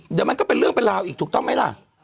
เดี๋ยวมันก็เป็นเรื่องเป็นราวอีกถูกต้องไหมล่ะ